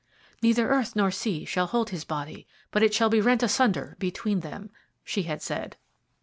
"Neither earth nor sea shall hold his body, but it shall be rent asunder between them," she had said.